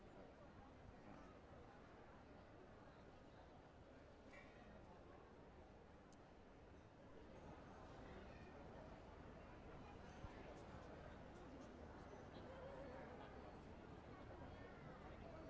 sebelah kanan dari marga siregar dari barupo